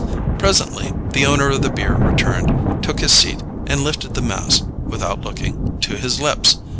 Presently the owner of the beer returned, took his seat, and lifted the mass, without looking, to his lips.